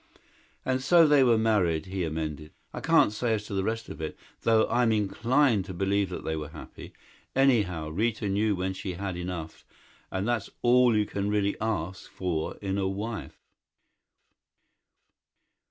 "And so they were married," he amended. "I can't say as to the rest of it though I'm inclined to believe that they were happy. Anyhow, Rita knew when she had enough and that's all you can really ask for in a wife."